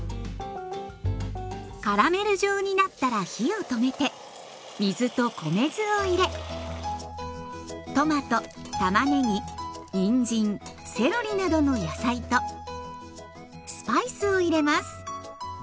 カラメル状になったら火を止めて水と米酢を入れトマトたまねぎにんじんセロリなどの野菜とスパイスを入れます。